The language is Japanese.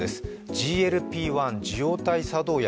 ＧＬＰ−１、受容体作動薬。